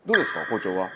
包丁は。